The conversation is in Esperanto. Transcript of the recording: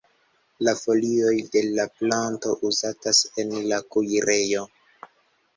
La folioj de la planto uzatas en la kuirejo.